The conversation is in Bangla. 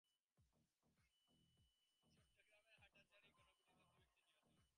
চট্টগ্রামের হাটহাজারীর ফতেপুরে মঙ্গলবার দিবাগত রাতে ডাকাত সন্দেহে গণপিটুনিতে দুই ব্যক্তি নিহত হয়েছেন।